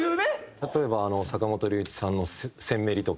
例えば坂本龍一さんの『戦メリ』とか。